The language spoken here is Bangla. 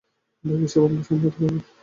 বাকি সব আমরা সামলাতে পারব।